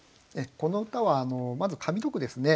この歌はまず上の句ですね。